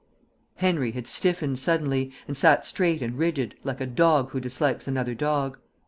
Henry had stiffened suddenly, and sat straight and rigid, like a dog who dislikes another dog.